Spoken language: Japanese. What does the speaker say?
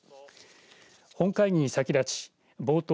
本会議に先立ち、冒頭